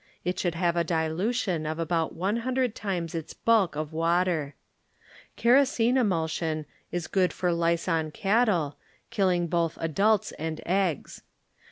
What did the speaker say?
It should have a dilution of about one hundred times its bulk* of water. Kerosene emulsion is good for lice on cattle, killing both adults and eggs.